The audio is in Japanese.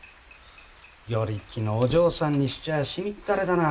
与力のお嬢さんにしちゃしみったれだな。